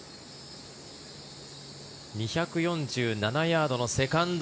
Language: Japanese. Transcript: ２４７ヤードのセカンド。